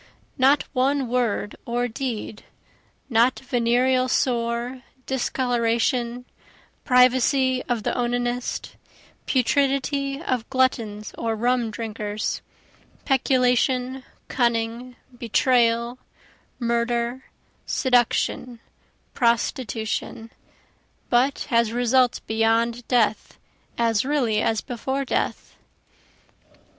Not one word or deed, not venereal sore, discoloration, privacy of the onanist, Putridity of gluttons or rum drinkers, peculation, cunning, betrayal, murder, seduction, prostitution, But has results beyond death as really as before death.